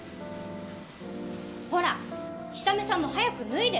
ほら氷雨さんも早く脱いで！